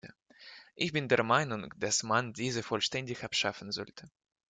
Ich bin der Meinung, dass man diese vollständig abschaffen sollte.